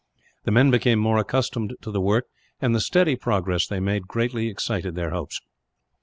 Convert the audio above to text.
The men became more accustomed to the work, and the steady progress they made greatly excited their hopes.